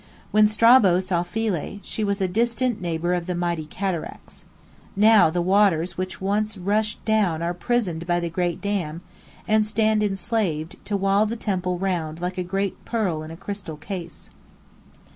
When Strabo saw Philae, she was a distant neighbour of the mighty Cataracts. Now, the waters which once rushed down are prisoned by the Great Dam, and stand enslaved, to wall the temple round like a great pearl in a crystal case.